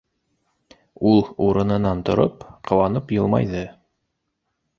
- Ул, урынынан тороп, ҡыуанып йылмайҙы.